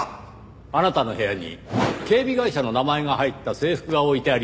あなたの部屋に警備会社の名前が入った制服が置いてありましたね。